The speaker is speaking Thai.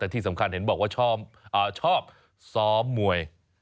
แต่ที่สำคัญเห็นบอกว่าชอบซ้อมมวย